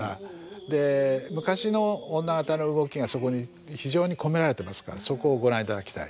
で昔の女方の動きがそこに非常に込められてますからそこをご覧いただきたい。